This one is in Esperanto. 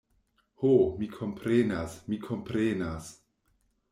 Ho, mi komprenas, mi komprenas.